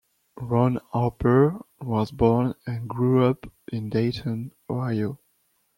Ron Harper was born and grew up in Dayton, Ohio.